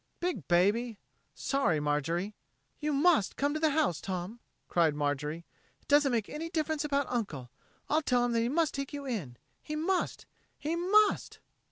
"Big baby! Sorry, Marjorie." "You must come to the house, Tom," cried Marjorie. "It doesn't make any difference about Uncle. I'll tell him that he must take you in. He must!... he must!"